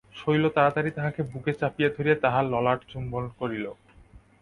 শৈল তাড়াতাড়ি তাহাকে বুকে চাপিয়া ধরিয়া তাহার ললাট চুম্বন করিল।